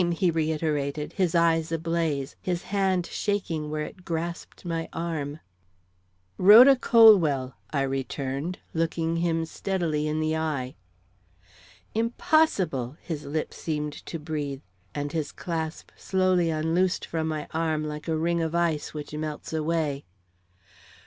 he reiterated, his eyes ablaze, his hand shaking where it grasped my arm. "Rhoda Colwell," I returned, looking him steadily in the eye. "Impossible!" his lips seemed to breathe, and his clasp slowly unloosed from my arm like a ring of ice which melts away.